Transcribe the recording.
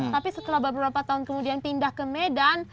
tapi setelah beberapa tahun kemudian pindah ke medan